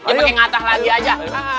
ya makin ngatah lagi aja